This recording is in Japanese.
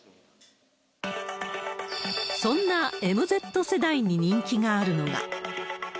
そんなＭＺ世代に人気があるのが。